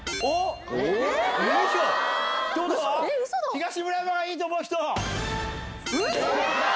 ⁉東村山がいいと思う人。